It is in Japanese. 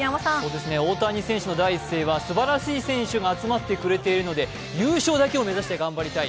大谷選手の第一声は、すばらしい選手が集まってくれているので優勝だけを目指して頑張りたい。